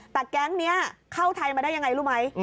แต่แก๊งนี้เข้าไทยมาได้ยังไงรู้ไหม